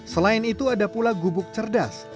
selain itu ada pula gubuk cerdas